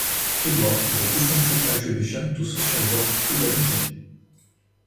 Field work is a distinctive attribution to social work pedagogy.